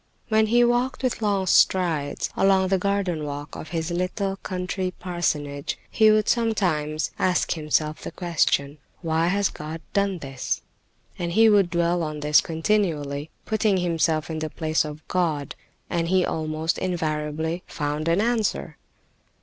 When he walked with long strides along the garden walk of his little country parsonage, he would sometimes ask himself the question: "Why has God done this?" And he would dwell on this continually, putting himself in the place of God, and he almost invariably found an answer.